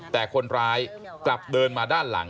แต่คนร้ายกลับเดินมาด้านหลัง